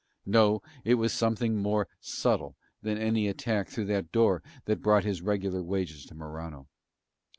No, it was something more subtle than any attack through that door that brought his regular wages to Morano.